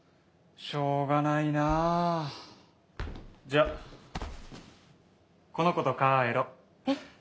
しょうがないなじゃこの子とかえろえっ？